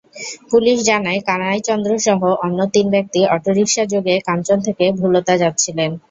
Police জানায়, কানাই চন্দ্রসহ অন্য তিন ব্যক্তি অটোরিকশাযোগে কাঞ্চন থেকে ভুলতা যাচ্ছিলেন।